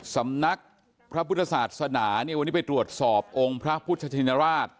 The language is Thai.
สำนักพระพุทธศาสนาเนี่ยวันนี้ไปตรวจสอบองค์พระพุทธชินราช